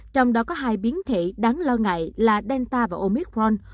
trong đó có hai biến thể đáng lo ngại là delta và omicron